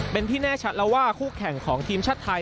เป็นที่แน่ชัดแล้วว่าคู่แข่งของทีมชาติไทย